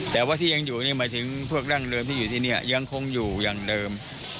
แต่ว่าที่ยังอยู่นี่หมายถึงพวกดั้งเดิมที่อยู่ที่นี่ยังคงอยู่อย่างเดิม